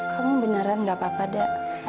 kamu beneran gak apa apa deh